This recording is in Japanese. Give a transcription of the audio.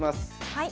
はい。